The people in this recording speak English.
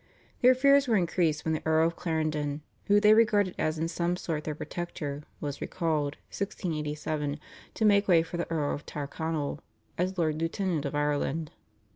Their fears were increased when the Earl of Clarendon, whom they regarded as in some sort their protector, was recalled (1687) to make way for the Earl of Tyrconnell as Lord Lieutenant of Ireland.